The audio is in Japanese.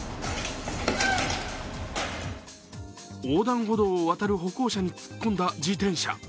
横断歩道を渡る歩行者に突っ込んだ自転車。